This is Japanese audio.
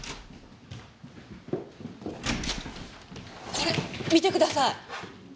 これ見てください！